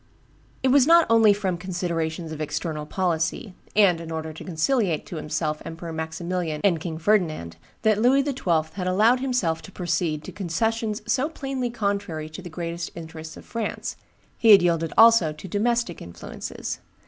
It was not only from considerations of external policy, and in order to conciliate to himself Emperor Maximilian and King Ferdinand, that Louis XII. had allowed himself to proceed to concessions so plainly contrary to the greatest interests of France: he had yielded also to domestic influences.